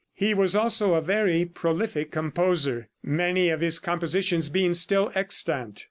He was also a very prolific composer, many of his compositions being still extant.